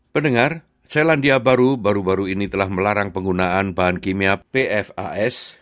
pendengar selandia baru baru ini telah melarang penggunaan bahan kimia pfas